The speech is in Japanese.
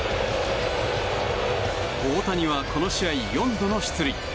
大谷は、この試合４度の出塁。